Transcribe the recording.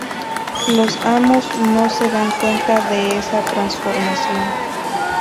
Los amos no se dan cuenta de esa transformación.